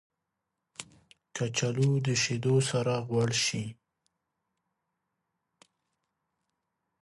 کچالو د شیدو سره غوړ شي